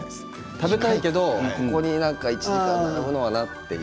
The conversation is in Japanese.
食べたいけどここに１時間並ぶのはなって。